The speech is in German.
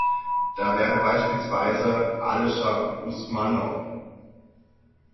Da wäre beispielsweise Alischer Usmanow.